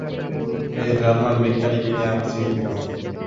এই জার্মান বিজ্ঞানীকে নিয়ে আমি চিন্তিত।